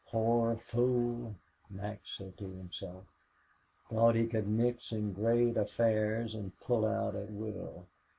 "Poor fool," Max said to himself. "Thought he could mix in great affairs and pull out at will.